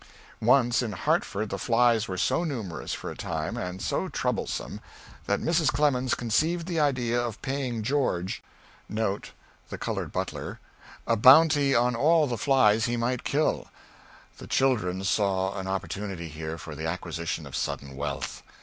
Once in Hartford the flies were so numerous for a time, and so troublesome, that Mrs. Clemens conceived the idea of paying George a bounty on all the flies he might kill. The children saw an opportunity here for the acquisition of sudden wealth.